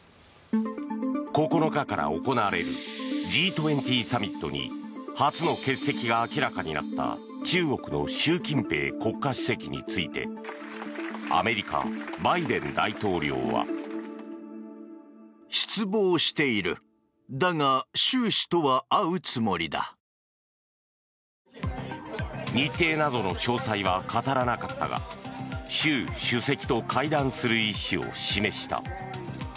９日から行われるＧ２０サミットに初の欠席が明らかになった中国の習近平国家主席についてアメリカ、バイデン大統領は。日程などの詳細は語らなかったが習主席と会談する意思を示した。